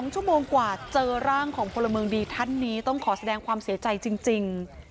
ชั่วโมงกว่าเจอร่างของพลเมืองดีท่านนี้ต้องขอแสดงความเสียใจจริง